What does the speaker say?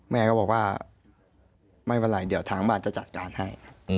แม่ก็บอกว่าไม่เป็นไรเดี๋ยวทางบ้านจะจัดการให้